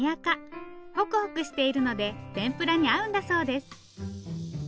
ホクホクしているので天ぷらに合うんだそうです。